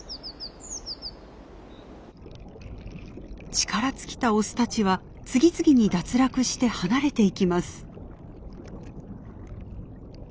力尽きたオスたちは次々に脱落して離れていきます。